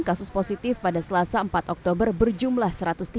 kasus positif pada selasa empat oktober berjumlah satu ratus tiga puluh